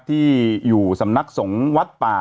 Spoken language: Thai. ที่อยู่สำนักสงฆ์วัดป่า